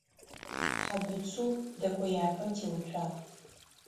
Хьэбыцу дэкӏояпӏэм теуцуагъ.